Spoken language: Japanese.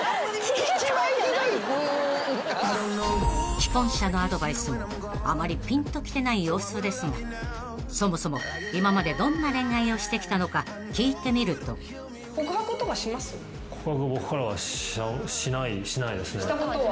［既婚者のアドバイスもあまりぴんときてない様子ですがそもそも今までどんな恋愛をしてきたのか聞いてみると］したことは？